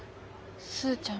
スーちゃん